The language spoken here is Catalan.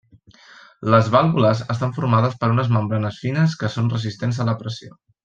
Les vàlvules estan formades per unes membranes fines que són resistents a la pressió.